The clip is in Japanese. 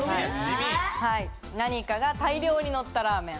何かが大量にのったラーメン。